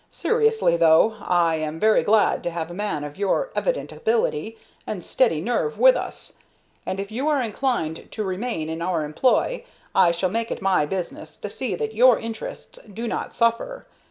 Seriously, though, I am very glad to have a man of your evident ability and steady nerve with us, and if you are inclined to remain in our employ I shall make it my business to see that your interests do not suffer.